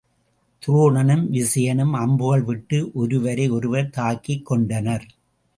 துரோணனும் விசயனும் அம்புகள் விட்டு ஒருவரை ஒருவர் தாக்கிக் கொண்டனர்.